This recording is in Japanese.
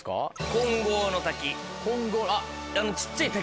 金剛の滝。